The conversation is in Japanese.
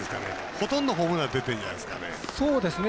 ほとんどホームラン出てるんじゃないですかね。